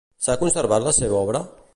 S'ha conservat la seva obra?